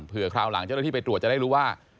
เพื่อคราวหลังเจ้าหน้าที่ไปตรวจจะได้รู้ว่า